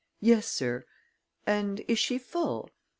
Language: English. "Yes, sir." "And is she full?"